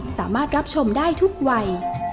สามารถรับชมได้ทุกวัย